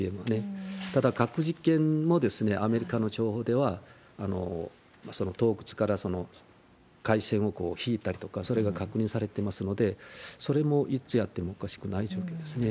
ただ、核実験もアメリカの情報では、洞窟から回線を引いたりとか、それが確認されてますので、それもいつやってもおかしくない状況ですね。